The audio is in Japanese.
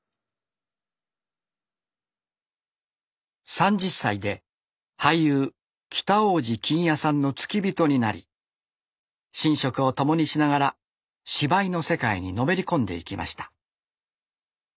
３０歳で俳優北大路欣也さんの付き人になり寝食を共にしながら芝居の世界にのめり込んでいきました。